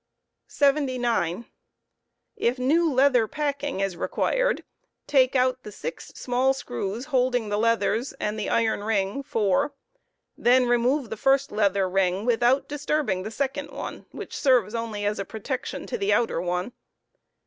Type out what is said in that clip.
To at packing.. 7$). if new leather packing is required, takeout the six small screws holding the leathers and the irou ring.4; then remove the first leather ring without disturbing . the second one, which serves only as a protection to the outer one.